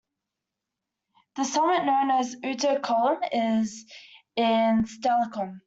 The summit, known as Uto Kulm, is in Stallikon.